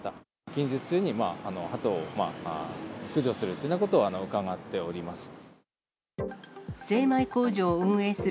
近日中にハトを駆除するというようなことを伺っております。